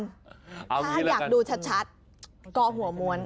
ถ้าอยากดูชัดก็หัวม้วน